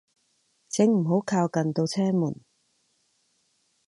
請唔好靠近度車門